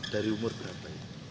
dari umur berapa